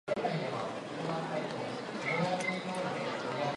財産および損益の状況